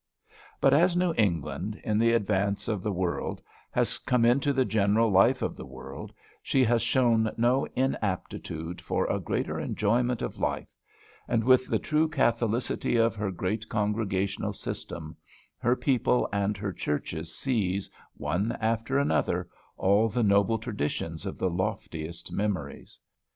But as New England, in the advance of the world, has come into the general life of the world, she has shown no inaptitude for the greater enjoyments of life; and, with the true catholicity of her great Congregational system, her people and her churches seize, one after another, all the noble traditions of the loftiest memories.